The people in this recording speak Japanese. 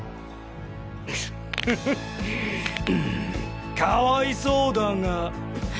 フフかわいそうだが。